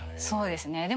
そうですね。